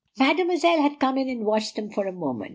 Mademoiselle had come in and watched them for a moment.